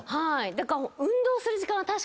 だから。